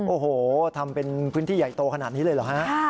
โอ้โหทำเป็นพื้นที่ใหญ่โตขนาดนี้เลยเหรอฮะ